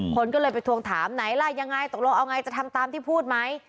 คนก็เลยไปทวงถามไหนล่ะยังไงตกลงเอาไงจะทำตามที่พูดไหม